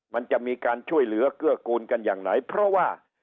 มันจะมีการช่วยเหลือเกื้อกูลกันอย่างไหนเพราะว่า